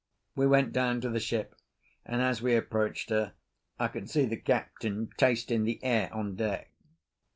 We went down to the ship, and as we approached her I could see the Captain tasting the air on deck.